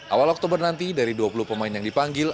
awal oktober nanti dari dua puluh pemain yang dipanggil